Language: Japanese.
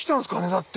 だって。